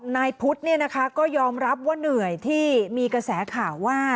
นายพุทธก็ยอมรับว่าเหนื่อยที่มีกระแสข่าวว่า